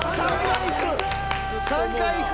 ３回いく！